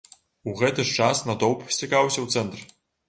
У гэты ж час натоўп сцякаўся ў цэнтр.